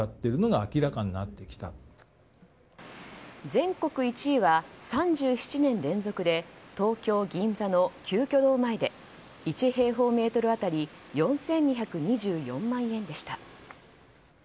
全国１位は３７年連続で東京・銀座の鳩居堂前で１平方メートル当たり４２２４万円でした。